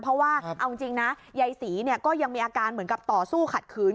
เพราะว่าเอาจริงนะยายศรีก็ยังมีอาการเหมือนกับต่อสู้ขัดขืน